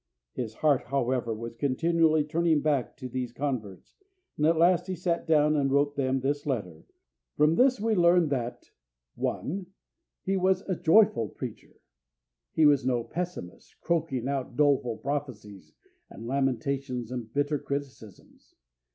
His heart, however, was continually turning back to these converts, and at last he sat down and wrote them this letter. From this we learn that 1. He was a joyful preacher. He was no pessimist, croaking out doleful prophecies and lamentations and bitter criticisms.